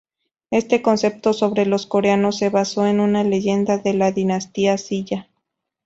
Este concepto sobre los coreanos se basó en una leyenda de la dinastía Silla.